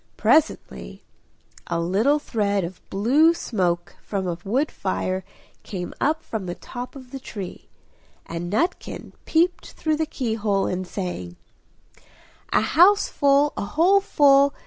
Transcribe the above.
Presently a little thread of blue smoke from a wood fire came up from the top of the tree, and Nutkin peeped through the key hole and sang "A house full, a hole full!